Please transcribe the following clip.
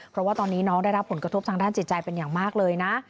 เพราะว่าตอนนี้น้องได้รับผลกระทบทางด้านจิตใจเป็นอย่างมากเลยนะ